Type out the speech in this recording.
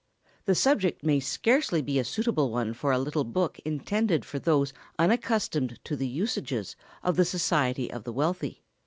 The subject may scarcely be a suitable one for a little book intended for those unaccustomed to the usages of the society of the wealthy.